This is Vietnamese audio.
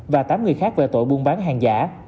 và tám người khác về tội buôn bán hàng giả